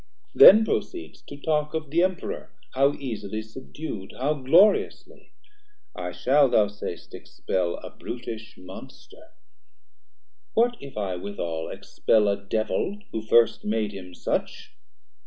then proceed'st to talk Of the Emperour, how easily subdu'd, How gloriously; I shall, thou say'st, expel A brutish monster: what if I withal Expel a Devil who first made him such?